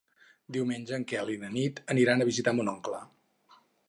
Diumenge en Quel i na Nit aniran a visitar mon oncle.